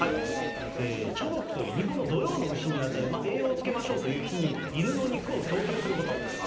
チョボクという日本の土用のうしに当たる、栄養をつけましょうという日に犬の肉を供給すること。